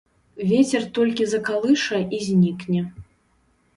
Вецер толькі закалыша і знікне.